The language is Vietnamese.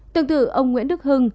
tương tự ông nguyễn đức hưng